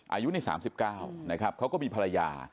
อายุนี่๓๙นะครับเขาก็มีภรรยา